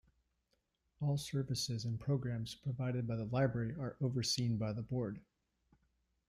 All services and programs provided by the library are overseen by the board.